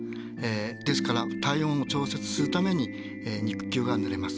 ですから体温を調節するために肉球がぬれます。